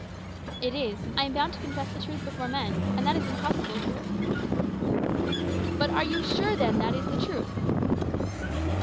"It is. I am bound to confess the truth before men; and that is impossible here." "But are you sure then that it is the truth?"